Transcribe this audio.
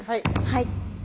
はい。